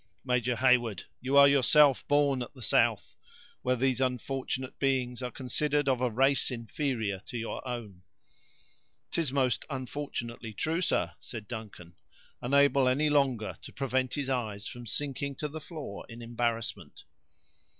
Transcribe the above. Major Heyward, you are yourself born at the south, where these unfortunate beings are considered of a race inferior to your own." "'Tis most unfortunately true, sir," said Duncan, unable any longer to prevent his eyes from sinking to the floor in embarrassment.